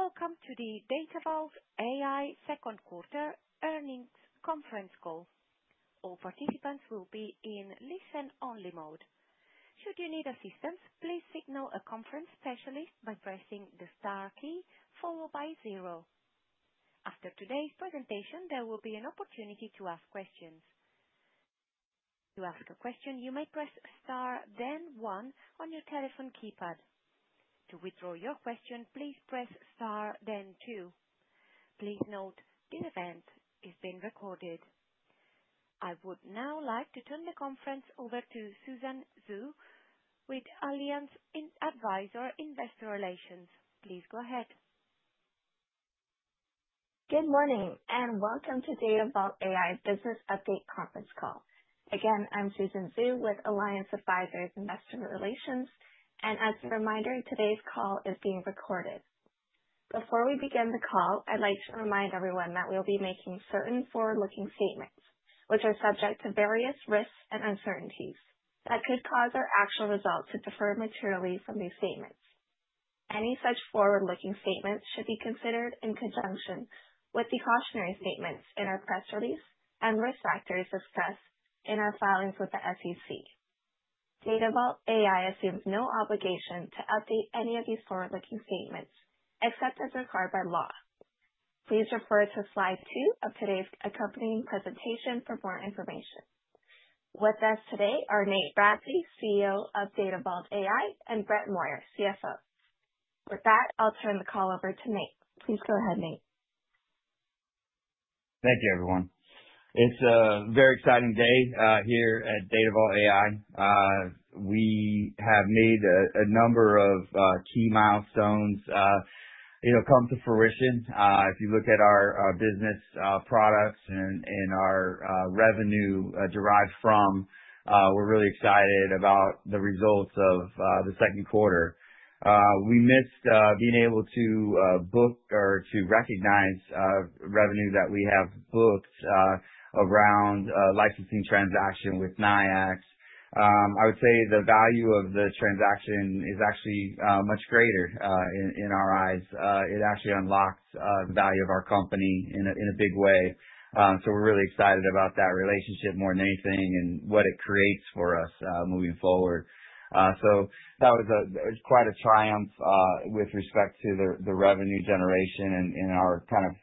Welcome to the Datavault AI Second Quarter Earnings Conference Call. All participants will be in listen-only mode. Should you need assistance, please signal a conference specialist by pressing the star key followed by zero. After today's presentation, there will be an opportunity to ask questions. To ask a question, you may press star, then one on your telephone keypad. To withdraw your question, please press star, then two. Please note the event is being recorded. I would now like to turn the conference over to Susan Xu with Alliance Advisors Investor Relations. Please go ahead. Good morning and welcome to Datavault AI business update conference call. Again, I'm Susan Xu with Alliance Advisors Investor Relations, and as a reminder, today's call is being recorded. Before we begin the call, I'd like to remind everyone that we'll be making certain forward-looking statements, which are subject to various risks and uncertainties that could cause our actual results to differ materially from these statements. Any such forward-looking statements should be considered in conjunction with the cautionary statements in our press release and risk factors discussed in our filings with the SEC. Datavault AI assumes no obligation to update any of these forward-looking statements except as required by law. Please refer to slide two of today's accompanying presentation for more information. With us today are Nathaniel T. Bradley, CEO of Datavault AI, and Brett Moyer, CFO. With that, I'll turn the call over to Nate. Please go ahead, Nate. Thank you, everyone. It's a very exciting day here at Datavault AI. We have made a number of key milestones come to fruition. If you look at our business products and our revenue derived from, we're really excited about the results of the second quarter. We missed being able to book or to recognize revenue that we have booked around a licensing transaction with NYIAX. I would say the value of the transaction is actually much greater in our eyes. It actually unlocks the value of our company in a big way. We're really excited about that relationship more than anything and what it creates for us moving forward. That was quite a triumph with respect to the revenue generation and our kind of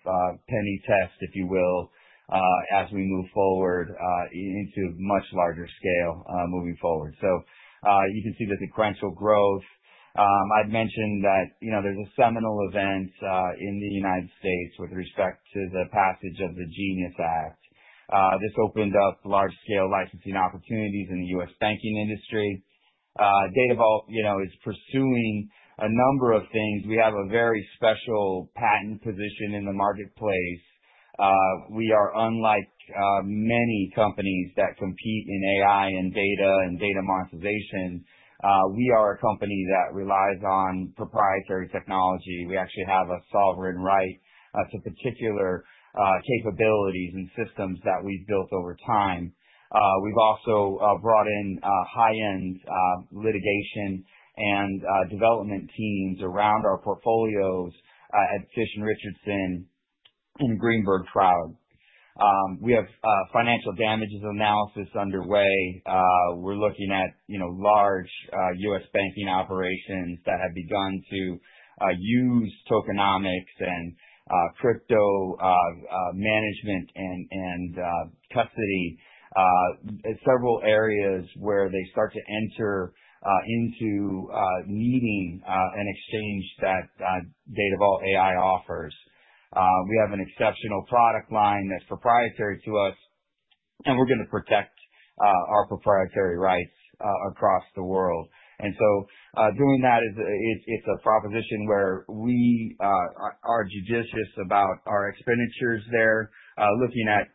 penny test, if you will, as we move forward into a much larger scale moving forward. You can see the sequential growth. I'd mentioned that there's a seminal event in the U.S. with respect to the passage of the Genius Act. This opened up large-scale licensing opportunities in the U.S. banking industry. Datavault AI is pursuing a number of things. We have a very special patent position in the marketplace. We are unlike many companies that compete in AI and data and data monetization. We are a company that relies on proprietary technology. We actually have a sovereign right to particular capabilities and systems that we've built over time. We've also brought in high-end litigation and development teams around our portfolios at Fish & Richardson and Greenberg Traurig. We have financial damages analysis underway. We're looking at large U.S. banking operations that have begun to use tokenomics and crypto management and custody as several areas where they start to enter into needing an exchange that Datavault AI offers. We have an exceptional product line that's proprietary to us, and we're going to protect our proprietary rights across the world. Doing that is a proposition where we are judicious about our expenditures there, looking at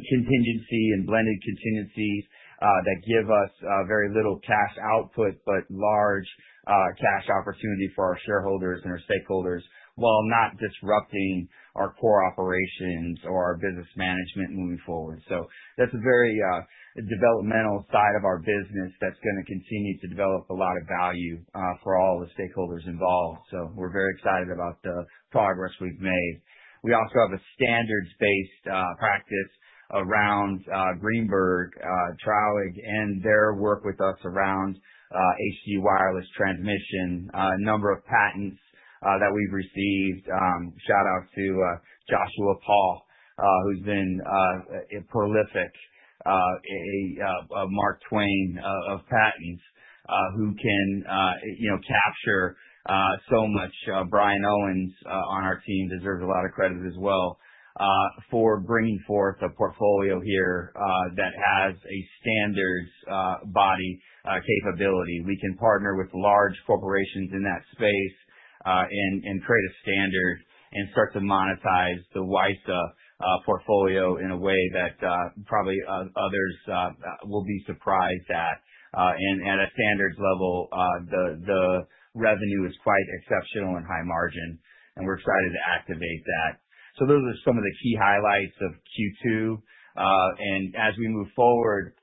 contingency and blended contingencies that give us very little cash output, but large cash opportunity for our shareholders and our stakeholders while not disrupting our core operations or our business management moving forward. That's a very developmental side of our business that's going to continue to develop a lot of value for all the stakeholders involved. We're very excited about the progress we've made. We also have a standards-based practice around Greenberg Traurig and their work with us around AC wireless transmission, a number of patents that we've received. Shout out to Joshua Paugh, who's been a prolific Mark Twain of patents, who can capture so much. Brian Owens on our team deserves a lot of credit as well for bringing forth a portfolio here that has a standards body capability. We can partner with large corporations in that space and create a standard and start to monetize the WISA portfolio in a way that probably others will be surprised at. At a standards level, the revenue is quite exceptional and high margin, and we're excited to activate that. Those are some of the key highlights of Q2. As we move forward,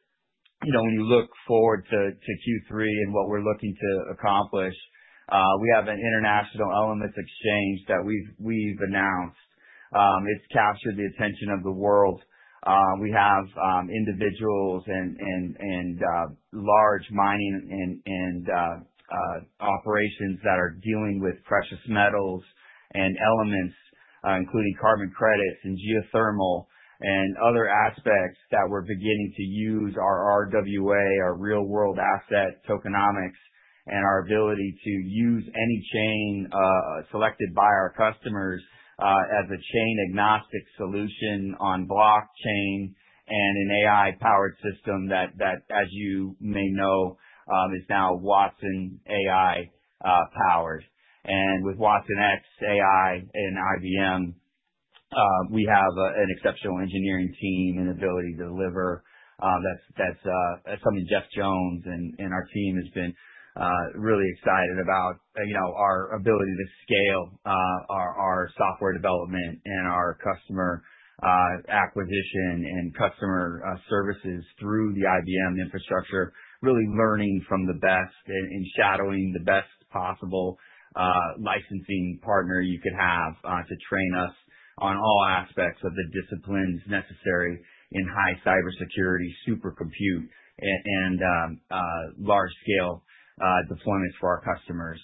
you know, when you look forward to Q3 and what we're looking to accomplish, we have an International Elements Exchange that we've announced. It's captured the attention of the world. We have individuals and large mining and operations that are dealing with precious metals and elements, including carbon credits and geothermal and other aspects that we're beginning to use our RWA, our real-world asset tokenomics, and our ability to use any chain selected by our customers as a chain-agnostic solution on blockchain and an AI-powered system that, as you may know, is now watson AI-powered. With watsonx.ai and IBM, we have an exceptional engineering team and ability to deliver that's something Jeff Jones and our team has been really excited about, our ability to scale our software development and our customer acquisition and customer services through the IBM infrastructure, really learning from the best and shadowing the best possible licensing partner you could have to train us on all aspects of the disciplines necessary in high cybersecurity, supercomputer, and large-scale deployments for our customers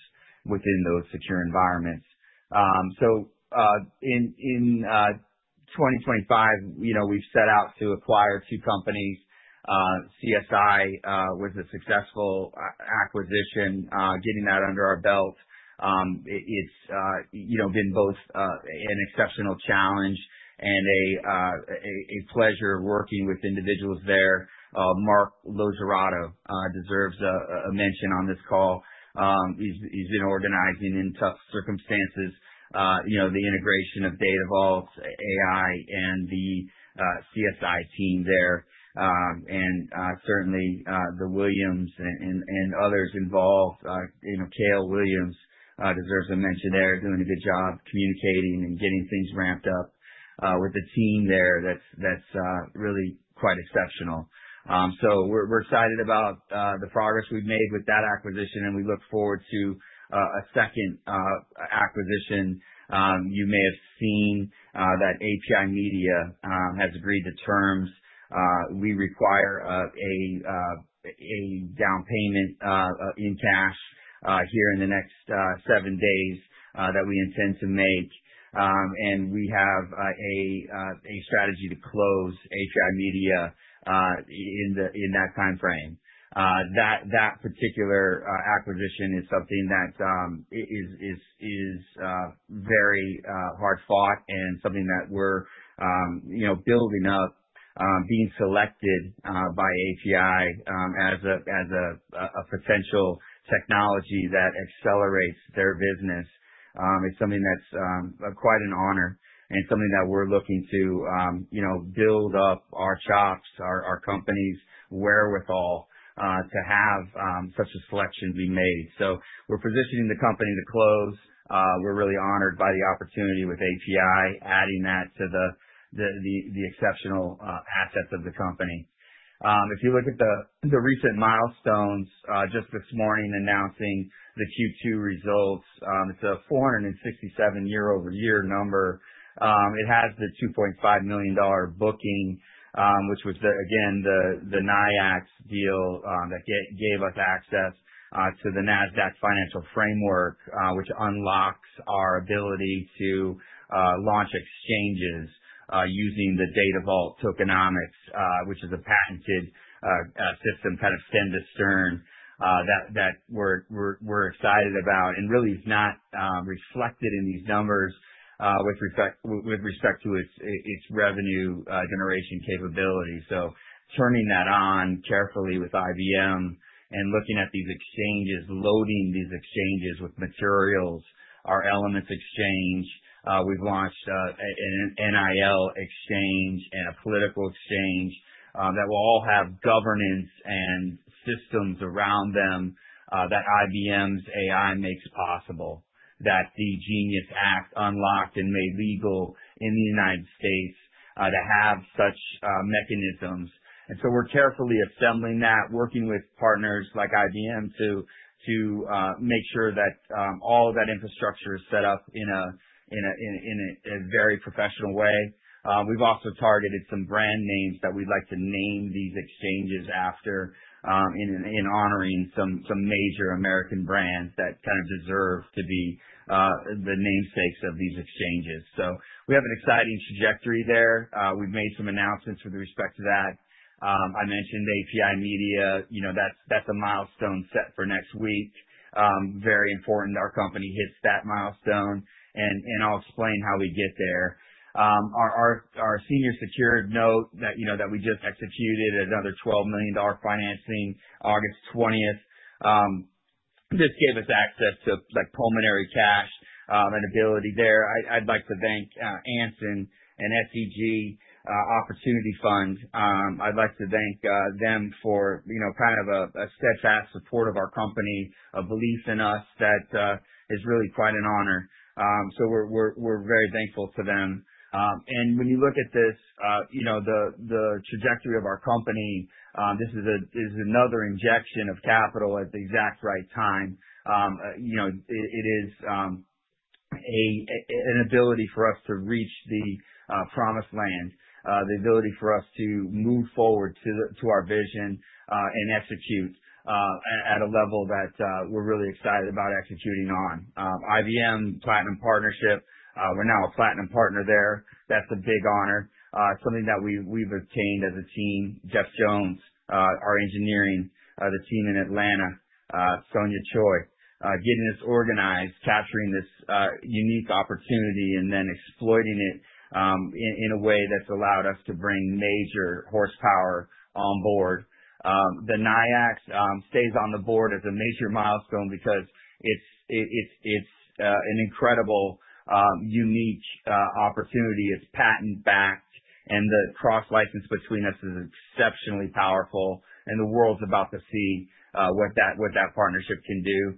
within those secure environments. In 2025, we've set out to acquire two companies. CSI was a successful acquisition, getting that under our belt. It's been both an exceptional challenge and a pleasure working with individuals there. Mark LoGiurato deserves a mention on this call. He's been organizing in tough circumstances, you know, the integration of Datavault AI and the CSI team there, and certainly the Williams and others involved. Kahle Williams deserves a mention there, doing a good job communicating and getting things ramped up with the team there. That's really quite exceptional. We're excited about the progress we've made with that acquisition, and we look forward to a second acquisition. You may have seen that API Media has agreed to terms. We require a down payment in cash here in the next seven days that we intend to make, and we have a strategy to close API Media in that timeframe. That particular acquisition is something that is very hard fought and something that we're building up, being selected by API as a potential technology that accelerates their business. It's quite an honor, and it's something that we're looking to build up our chops, our company's wherewithal to have such a selection be made. We're positioning the company to close. We're really honored by the opportunity with API, adding that to the exceptional assets of the company. If you look at the recent milestones, just this morning announcing the Q2 results, it's a 467% year-over-year number. It has the $2.5 million booking, which was, again, the NYIAX deal that gave us access to the NASDAQ Financial Framework, which unlocks our ability to launch exchanges using the Datavault tokenomics, which is a patented system, kind of stand to stern, that we're excited about and really is not reflected in these numbers with respect to its revenue generation capability. Turning that on carefully with IBM and looking at these exchanges, loading these exchanges with materials, our Elements Exchange. We've launched an NIL Exchange and a Politics Exchange that will all have governance and systems around them that IBM's AI makes possible, that the Genius Act unlocked and made legal in the U.S. to have such mechanisms. We're carefully assembling that, working with partners like IBM to make sure that all of that infrastructure is set up in a very professional way. We've also targeted some brand names that we'd like to name these exchanges after in honoring some major American brands that deserve to be the namesakes of these exchanges. We have an exciting trajectory there. We've made some announcements with respect to that. I mentioned API Media. That's a milestone set for next week. It's very important our company hits that milestone, and I'll explain how we get there. Our senior secured note that we just executed, another $12 million financing August 20th, just gave us access to like pulmonary cash and ability there. I'd like to thank Anson and SEG Opportunity Fund. I'd like to thank them for kind of a steadfast support of our company, a belief in us that is really quite an honor. We're very thankful to them. When you look at this, the trajectory of our company, this is another injection of capital at the exact right time. It is an ability for us to reach the promised land, the ability for us to move forward to our vision and execute at a level that we're really excited about executing on. IBM Platinum Partnership, we're now a Platinum Partner there. That's a big honor. It's something that we've obtained as a team. Jeff Jones, our engineering, the team in Atlanta, Sonia Choi, getting this organized, capturing this unique opportunity, and then exploiting it in a way that's allowed us to bring major horsepower on board. The NYIAX stays on the board as a major milestone because it's an incredible, unique opportunity. It's patent-backed, and the cross-license between us is exceptionally powerful, and the world's about to see what that partnership can do.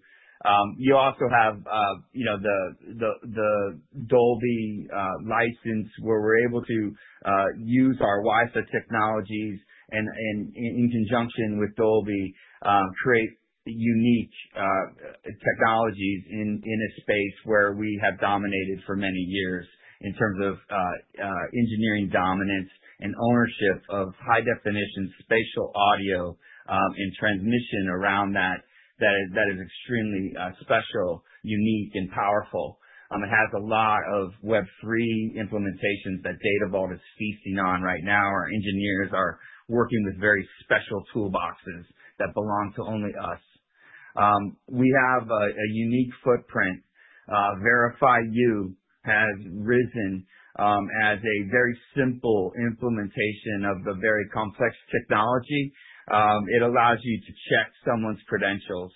You also have the Dolby license where we're able to use our WISA technologies and in conjunction with Dolby create unique technologies in a space where we have dominated for many years in terms of engineering dominance and ownership of high-definition spatial audio and transmission around that that is extremely special, unique, and powerful. It has a lot of Web3 implementations that Datavault AI is feasting on right now. Our engineers are working with very special toolboxes that belong to only us. We have a unique footprint. VerifyU has risen as a very simple implementation of a very complex technology. It allows you to check someone's credentials,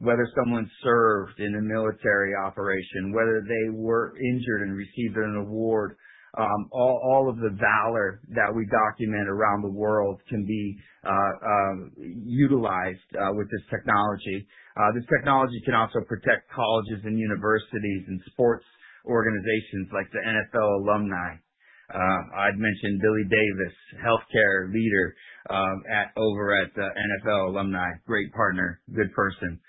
whether someone served in a military operation, whether they were injured and received an award. All of the valor that we document around the world can be utilized with this technology. This technology can also protect colleges and universities and sports organizations like the NFL Alumni. I'd mentioned Billy Davis, Healthcare Leader over at the NFL Alumni, great partner, good person,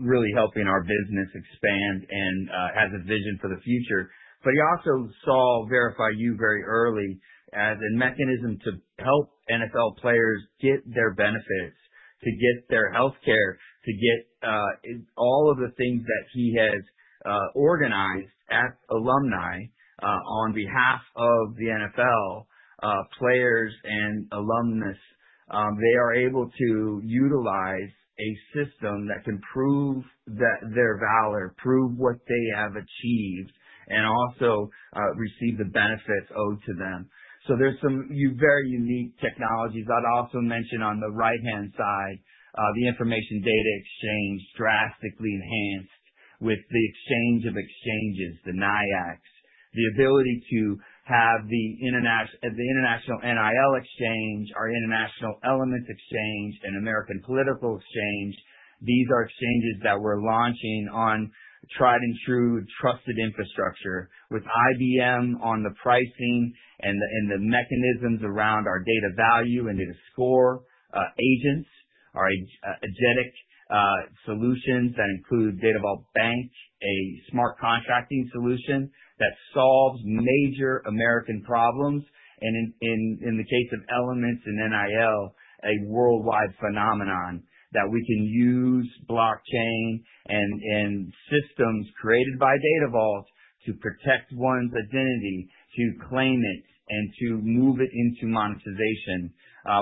really helping our business expand and has a vision for the future. He also saw VerifyU very early as a mechanism to help NFL players get their benefits, to get their healthcare, to get all of the things that he has organized at Alumni on behalf of the NFL players and alumnus. They are able to utilize a system that can prove their valor, prove what they have achieved, and also receive the benefits owed to them. There are some very unique technologies. I'd also mention on the right-hand side, the Information Data Exchange drastically enhanced with the exchange of exchanges, the NYIAX, the ability to have the International NIL Exchange, our International Elements Exchange, and American Politics Exchange. These are exchanges that we're launching on tried and true trusted infrastructure with IBM on the pricing and the mechanisms around our DataValue and DataScore agents, our agentic solutions that include Data Vault Bank, a smart contracting solution that solves major American problems. In the case of Elements and NIL, a worldwide phenomenon that we can use blockchain and systems created by Datavault to protect one's identity, to claim it, and to move it into monetization.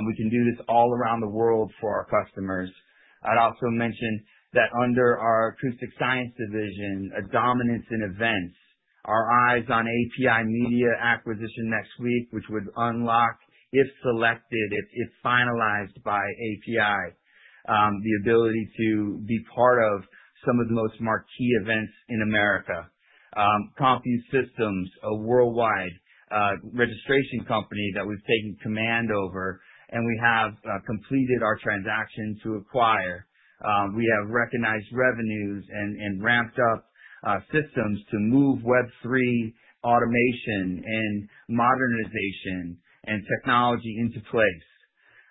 We can do this all around the world for our customers. I'd also mention that under our acoustic science division, a dominance in events, our eyes on API Media acquisition next week, which would unlock, if selected, if finalized by API, the ability to be part of some of the most marquee events in America. CompuSystems, a worldwide registration company that we've taken command over, and we have completed our transaction to acquire. We have recognized revenues and ramped up systems to move Web3 automation and modernization and technology into place.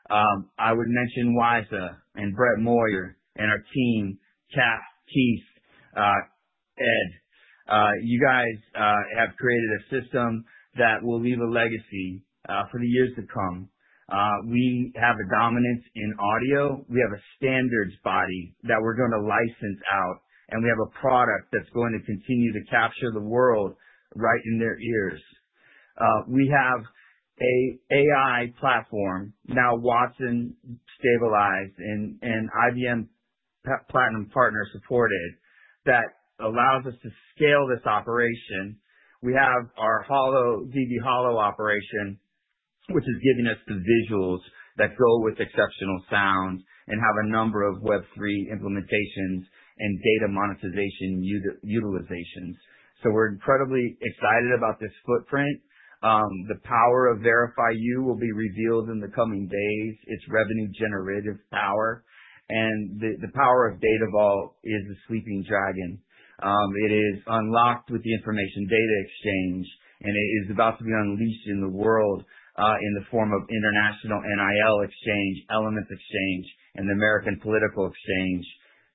I would mention WISA and Brett Moyer and our team, Kath, Keith, Ed. You guys have created a system that will leave a legacy for the years to come. We have a dominance in audio. We have a standards body that we're going to license out, and we have a product that's going to continue to capture the world right in their ears. We have an AI platform, now watson stabilized and IBM Platinum Partner supported, that allows us to scale this operation. We have our Holo, DV Holo operation, which is giving us the visuals that go with exceptional sound and have a number of Web3 implementations and data monetization utilizations. We're incredibly excited about this footprint. The power of VerifyU will be revealed in the coming days. Its revenue-generative power, and the power of Data Vault is a sleeping dragon. It is unlocked with the Information Data Exchange, and it is about to be unleashed in the world in the form of International NIL Exchange, Elements Exchange, and the American Politics Exchange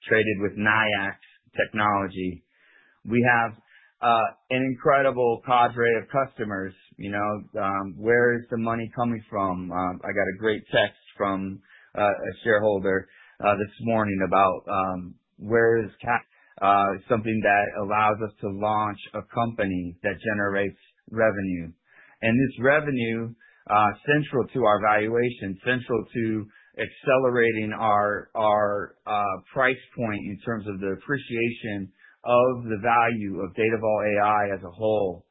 traded with NYIAX technology. We have an incredible cadre of customers. You know, where is the money coming from? I got a great text from a shareholder this morning about where is tech something that allows us to launch a company that generates revenue. This revenue is central to our valuation, central to accelerating our price point in terms of the appreciation of the value of Datavault AI as a whole.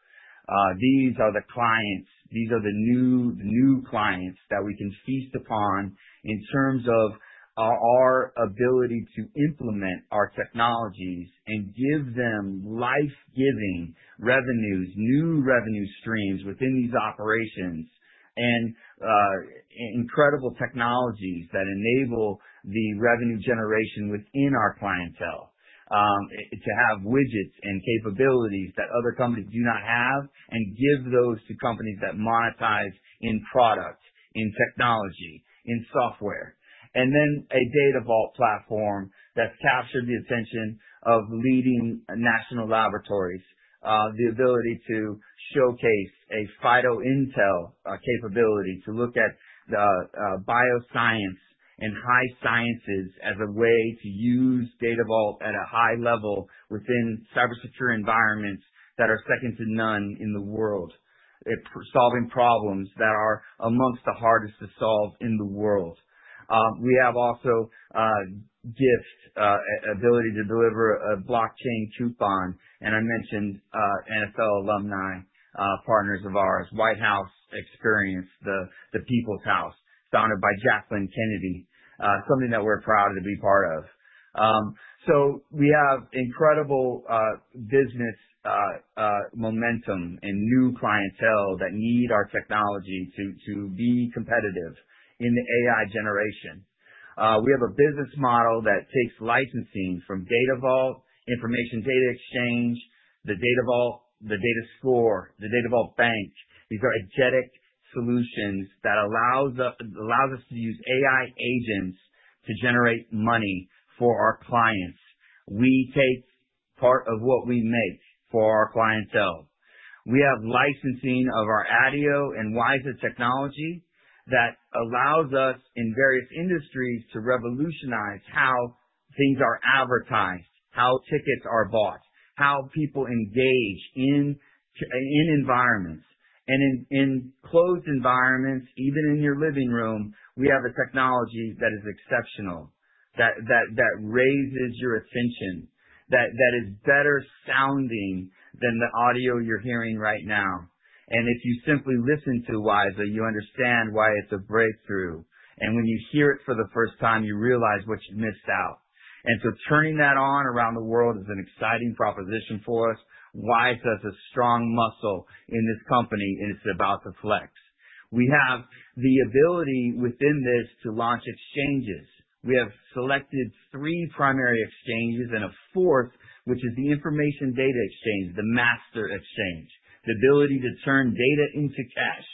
These are the clients. These are the new clients that we can feast upon in terms of our ability to implement our technologies and give them life-giving revenues, new revenue streams within these operations, and incredible technologies that enable the revenue generation within our clientele, to have widgets and capabilities that other companies do not have and give those to companies that monetize in products, in technology, in software. Then a Datavault platform that's captured the attention of leading national laboratories, the ability to showcase a phyto-intel capability to look at the bioscience and high sciences as a way to use Datavault at a high level within cybersecure environments that are second to none in the world, solving problems that are amongst the hardest to solve in the world. We have also a gift ability to deliver a blockchain coupon, and I mentioned NFL Alumni partners of ours, White House Experience, the People's House founded by Jacqueline Kennedy, something that we're proud to be part of. We have incredible business momentum and new clientele that need our technology to be competitive in the AI generation. We have a business model that takes licensing from Datavault, Information Data Exchange, the Datavault, the DataScore, the Data Vault Bank. These are agentic solutions that allow us to use AI agents to generate money for our clients. We take part of what we make for our clientele. We have licensing of our ADIO and WISA technologies that allows us in various industries to revolutionize how things are advertised, how tickets are bought, how people engage in environments. In closed environments, even in your living room, we have a technology that is exceptional, that raises your attention, that is better sounding than the audio you're hearing right now. If you simply listen to WISA, you understand why it's a breakthrough. When you hear it for the first time, you realize what you missed out. Turning that on around the world is an exciting proposition for us. WISA is a strong muscle in this company, and it's about to flex. We have the ability within this to launch exchanges. We have selected three primary exchanges and a fourth, which is the Information Data Exchange, the master exchange, the ability to turn data into cash,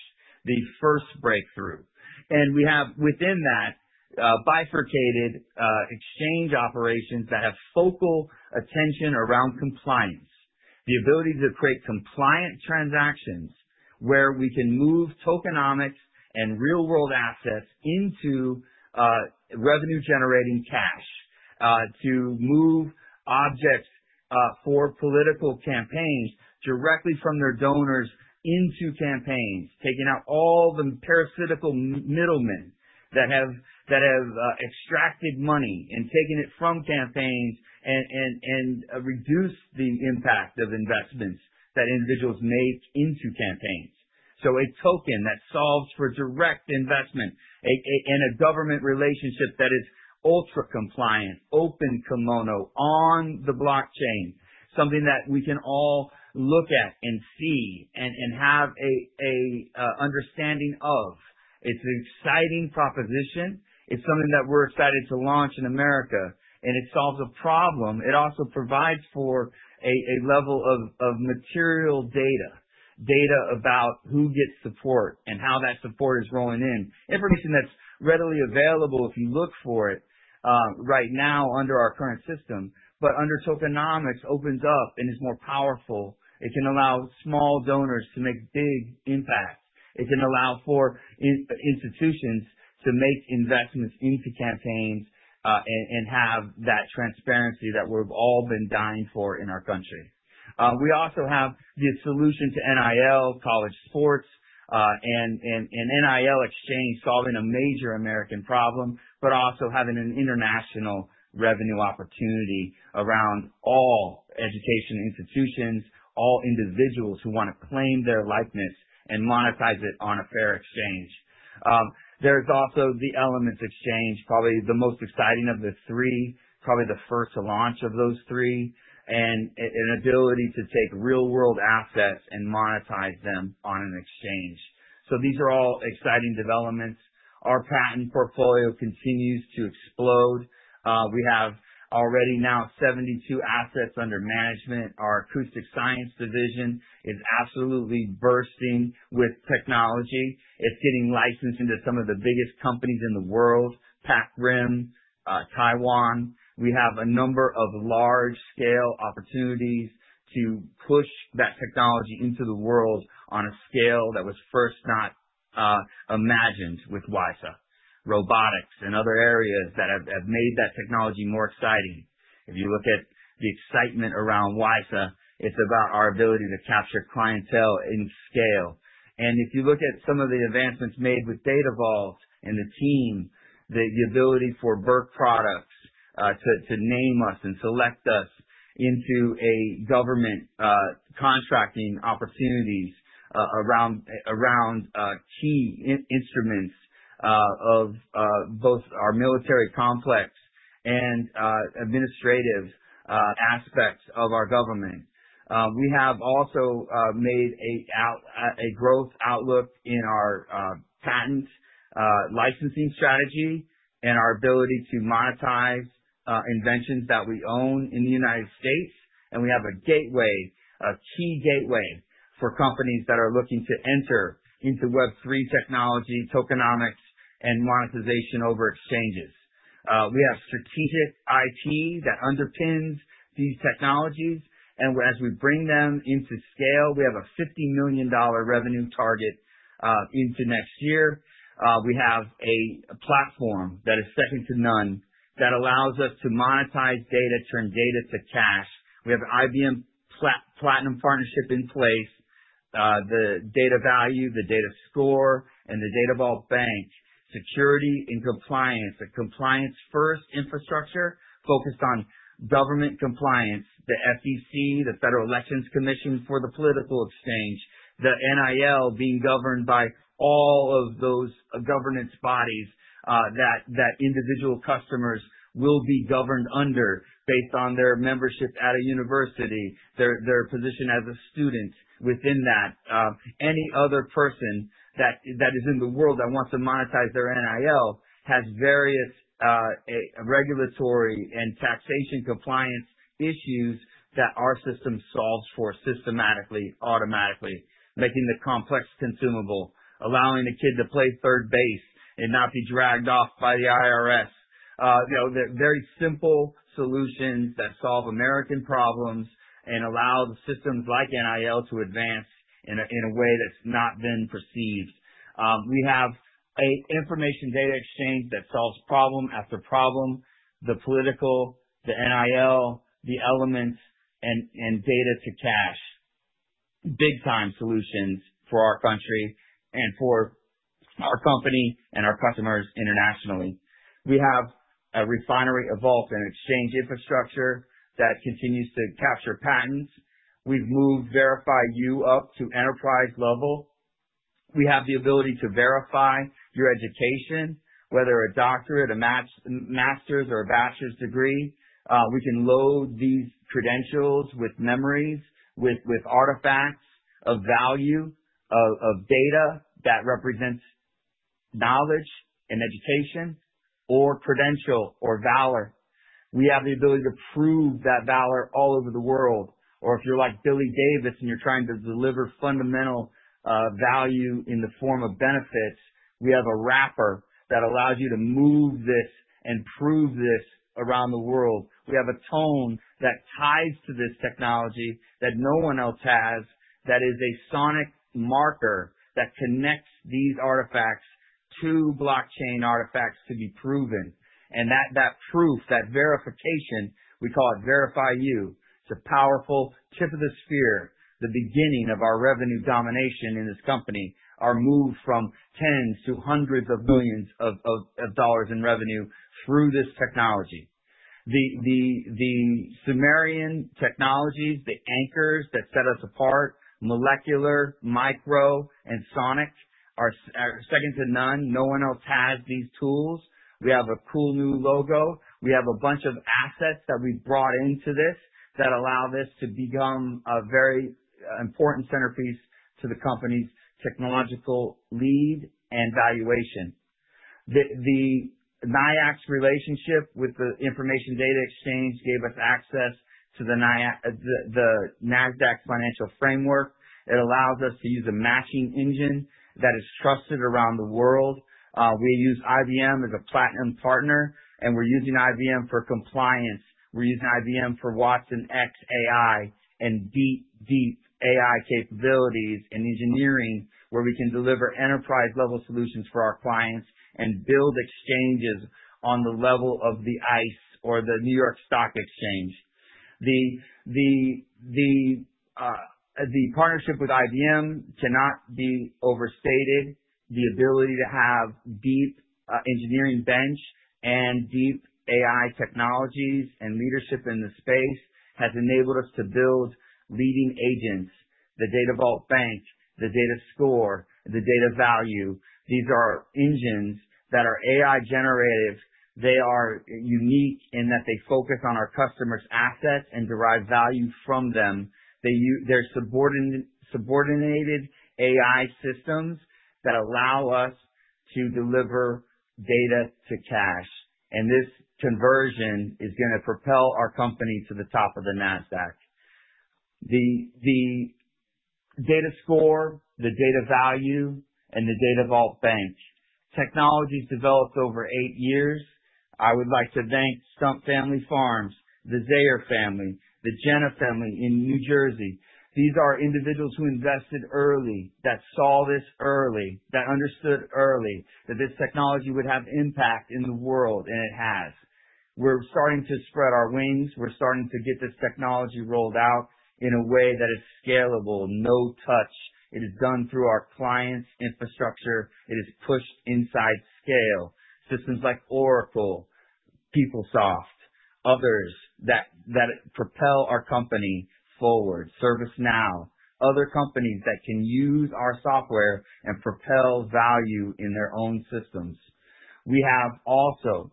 the first breakthrough. We have within that bifurcated exchange operations that have focal attention around compliance, the ability to create compliant transactions where we can move tokenomics and real-world assets into revenue-generating cash, to move objects for political campaigns directly from their donors into campaigns, taking out all the parasitical middlemen that have extracted money and taken it from campaigns and reduced the impact of investments that individuals make into campaigns. A token that solves for direct investment in a government relationship that is ultra-compliant, open kimono, on the blockchain, something that we can all look at and see and have an understanding of. It's an exciting proposition. It's something that we're excited to launch in America, and it solves a problem. It also provides for a level of material data, data about who gets support and how that support is rolling in, information that's readily available if you look for it right now under our current system. Under tokenomics, it opens up and is more powerful. It can allow small donors to make big impacts. It can allow for institutions to make investments into campaigns and have that transparency that we've all been dying for in our country. We also have the solution to NIL, college sports, and NIL Exchange solving a major American problem, but also having an international revenue opportunity around all education institutions, all individuals who want to claim their likeness and monetize it on a fair exchange. There's also the Elements Exchange, probably the most exciting of the three, probably the first to launch of those three, and an ability to take real-world assets and monetize them on an exchange. These are all exciting developments. Our patent portfolio continues to explode. We have already now 72 assets under management. Our acoustic science division is absolutely bursting with technology. It's getting licensed into some of the biggest companies in the world, [Patrim], Taiwan. We have a number of large-scale opportunities to push that technology into the world on a scale that was first not imagined with WISA. Robotics and other areas have made that technology more exciting. If you look at the excitement around WISA, it's about our ability to capture clientele in scale. If you look at some of the advancements made with Datavault and the team, the ability for Burke Products to name us and select us into government contracting opportunities around key instruments of both our military complex and administrative aspects of our government. We have also made a growth outlook in our patent licensing strategy and our ability to monetize inventions that we own in the U.S. We have a gateway, a key gateway for companies that are looking to enter into Web3 technology, tokenomics, and monetization over exchanges. We have strategic IT that underpins these technologies. As we bring them into scale, we have a $50 million revenue target into next year. We have a platform that is second to none that allows us to monetize data, turn data to cash. We have an IBM Platinum Partnership in place. The DataValue, the DataScore, and the Data Vault Bank, security and compliance, a compliance-first infrastructure focused on government compliance, the SEC, the Federal Elections Commission for the Politics Exchange, the NIL being governed by all of those governance bodies that individual customers will be governed under based on their membership at a university, their position as a student within that. Any other person that is in the world that wants to monetize their NIL has various regulatory and taxation compliance issues that our system solves for systematically, automatically, making the complex consumable, allowing a kid to play third base and not be dragged off by the IRS. There are very simple solutions that solve American problems and allow the systems like NIL to advance in a way that's not then perceived. We have an Information Data Exchange that solves problem after problem, the political, the NIL, the elements, and data to cash, big-time solutions for our country and for our company and our customers internationally. We have a refinery evolved in exchange infrastructure that continues to capture patents. We've moved VerifyU up to enterprise level. We have the ability to verify your education, whether a doctorate, a master's, or a bachelor's degree. We can load these credentials with memories, with artifacts of value, of data that represents knowledge and education or credential or valor. We have the ability to prove that valor all over the world. If you're like Billy Davis and you're trying to deliver fundamental value in the form of benefits, we have a wrapper that allows you to move this and prove this around the world. We have a tone that ties to this technology that no one else has, that is a sonic marker that connects these artifacts to blockchain artifacts to be proven. That proof, that verification, we call it VerifyU, is a powerful tip of the sphere, the beginning of our revenue domination in this company, our move from tens to hundreds of millions of dollars in revenue through this technology. The Sumerian technologies, the anchors that set us apart, molecular, micro, and sonic, are second to none. No one else has these tools. We have a cool new logo. We have a bunch of assets that we brought into this that allow this to become a very important centerpiece to the company's technological lead and valuation. The NYIAX relationship with the Information Data Exchange gave us access to the NASDAQ Financial Framework. It allows us to use a matching engine that is trusted around the world. We use IBM as a Platinum Partner, and we're using IBM for compliance. We're using IBM for watsonx.ai and deep, deep AI capabilities and engineering where we can deliver enterprise-level solutions for our clients and build exchanges on the level of the ICE or the New York Stock Exchange. The partnership with IBM cannot be overstated. The ability to have deep engineering bench and deep AI technologies and leadership in the space has enabled us to build leading agents, the Data Vault Bank, the DataScore, the DataValue. These are engines that are AI generative. They are unique in that they focus on our customers' assets and derive value from them. They use their subordinated AI systems that allow us to deliver data to cash. This conversion is going to propel our company to the top of the NASDAQ. The DataScore, the DataValue, and the Data Vault Bank, technologies developed over eight years. I would like to thank Stump Family Farms, the Zayer Family, the [Jena] Family in New Jersey. These are individuals who invested early, that saw this early, that understood early that this technology would have impact in the world, and it has. We're starting to spread our wings. We're starting to get this technology rolled out in a way that is scalable, no touch. It is done through our clients' infrastructure. It is pushed inside scale. Systems like Oracle, Peoplesoft, others that propel our company forward, ServiceNow, other companies that can use our software and propel value in their own systems. We have also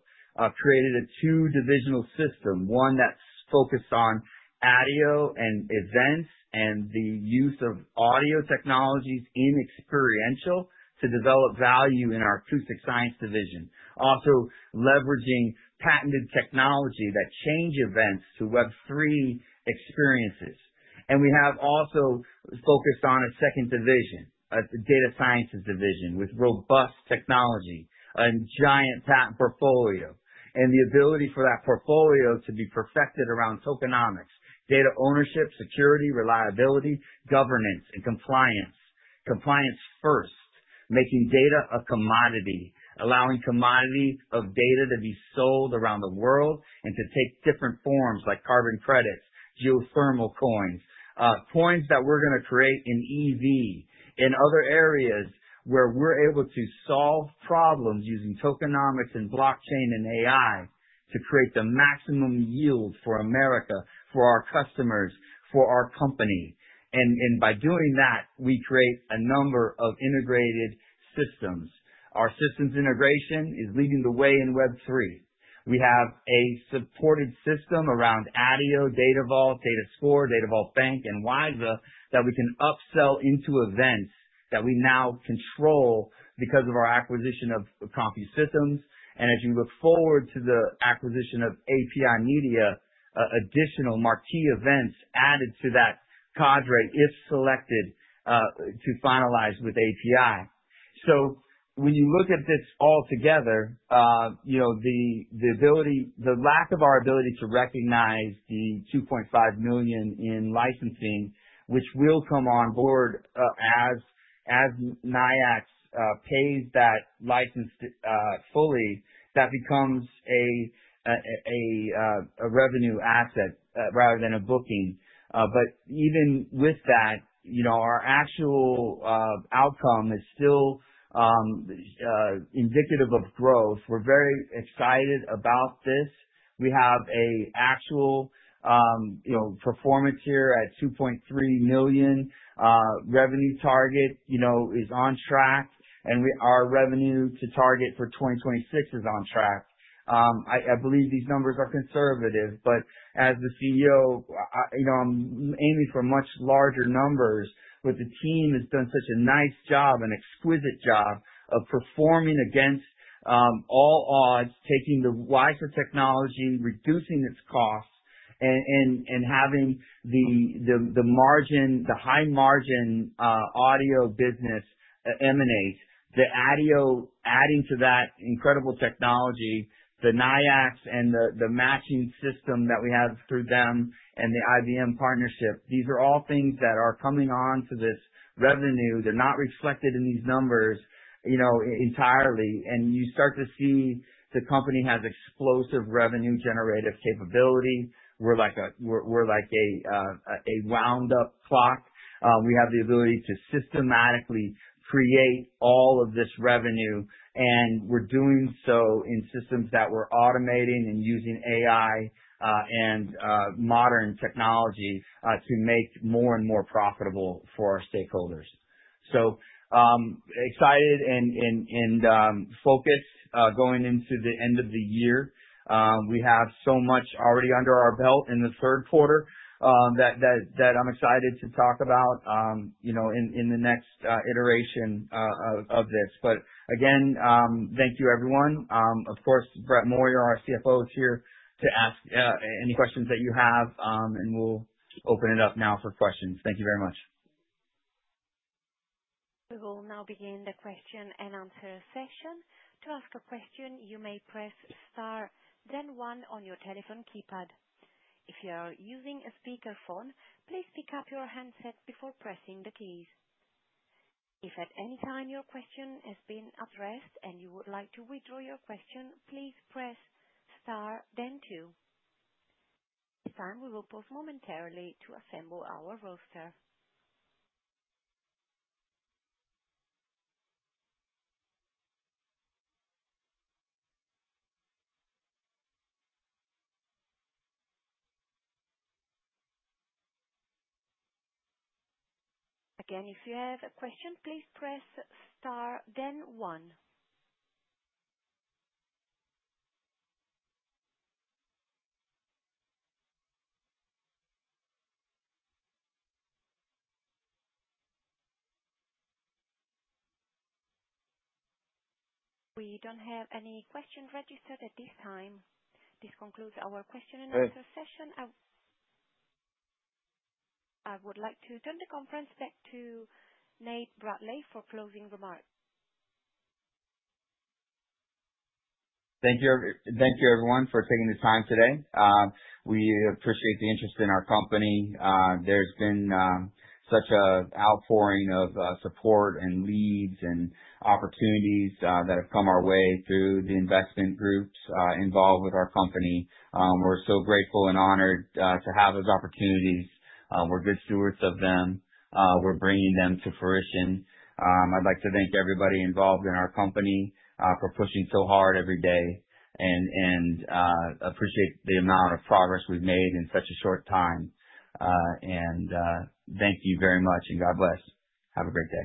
created a dual-division structure, one that's focused on audio and events and the use of audio technologies in experiential to develop value in our acoustic science division, also leveraging patented technology that change events to Web3 experiences. We have also focused on a second division, a data sciences division with robust technology, a giant patent portfolio, and the ability for that portfolio to be perfected around tokenomics, data ownership, security, reliability, governance, and compliance. Compliance first, making data a commodity, allowing commodity of data to be sold around the world and to take different forms like carbon credits, geothermal coins, coins that we're going to create in EV, in other areas where we're able to solve problems using tokenomics and blockchain and AI to create the maximum yield for America, for our customers, for our company. By doing that, we create a number of integrated systems. Our systems integration is leading the way in Web3. We have a supported system around ADIO, Datavault, DataScore, Data Vault Bank, and WISA that we can upsell into events that we now control because of our acquisition of CompuSystems. As you look forward to the acquisition of API Media, additional marquee events added to that cadre if selected to finalize with API. When you look at this altogether, the lack of our ability to recognize the $2.5 million in licensing, which will come on board as NYIAX pays that license fully, that becomes a revenue asset rather than a booking. Even with that, our actual outcome is still indicative of growth. We're very excited about this. We have an actual performance here at $2.3 million. Revenue target is on track, and our revenue to target for 2026 is on track. I believe these numbers are conservative, but as the CEO, I'm aiming for much larger numbers, but the team has done such a nice job, an exquisite job of performing against all odds, taking the WISA technologies and reducing its costs and having the high margin audio business emanate. The ADIO, adding to that incredible technology, the NYIAX and the matching system that we have through them and the IBM partnership, these are all things that are coming on to this revenue. They're not reflected in these numbers, you know, entirely. You start to see the company has explosive revenue generative capability. We're like a wound-up clock. We have the ability to systematically create all of this revenue, and we're doing so in systems that we're automating and using AI and modern technology to make more and more profitable for our stakeholders. Excited and focused going into the end of the year. We have so much already under our belt in the third quarter that I'm excited to talk about in the next iteration of this. Again, thank you, everyone. Of course, Brett Moyer, our CFO, is here to ask any questions that you have, and we'll open it up now for questions. Thank you very much. We will now begin the question and answer session. To ask a question, you may press star, then one on your telephone keypad. If you are using a speakerphone, please pick up your handset before pressing the keys. If at any time your question has been addressed and you would like to withdraw your question, please press star, then two. Sam will report momentarily to assemble our roster. Again, if you have a question, please press star, then one. We don't have any questions registered at this time. This concludes our question and answer session. I would like to turn the conference back to Nathaniel T. Bradley for closing remarks. Thank you, thank you everyone, for taking the time today. We appreciate the interest in our company. There's been such an outpouring of support and leads and opportunities that have come our way through the investment groups involved with our company. We're so grateful and honored to have those opportunities. We're good stewards of them. We're bringing them to fruition. I'd like to thank everybody involved in our company for pushing so hard every day and appreciate the amount of progress we've made in such a short time. Thank you very much, and God bless. Have a great day.